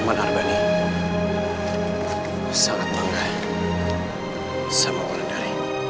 dan ini adalah panggilan terakhir